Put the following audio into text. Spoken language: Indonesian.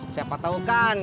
siapa tau kan